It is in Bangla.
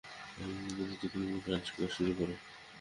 আমি উপদেশ দিবো তুমিও ঘ্রাণ শোঁকা শুরু করো।